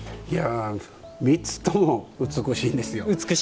３つとも美しいんですよ。